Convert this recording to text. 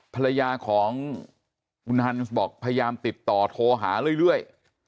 ภรรยาของคุณฮันส์บอกพยายามติดต่อโทรหาเรื่อย